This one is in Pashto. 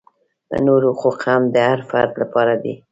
نور حقوق هم د هر فرد لپاره دي.